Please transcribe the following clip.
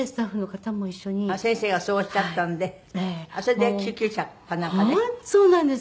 あっ先生がそうおっしゃったんでそれで救急車かなんかで。